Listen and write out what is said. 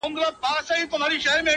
ستا د ښکلي مخ له رويه چي خوښيږي!